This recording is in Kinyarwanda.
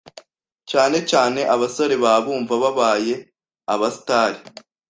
cyane cyane abasore baba bumva babaye abastar,